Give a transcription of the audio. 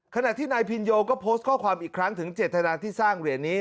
ขณะที่นายพินโยก็โพสต์ข้อความอีกครั้งถึงเจตนาที่สร้างเหรียญนี้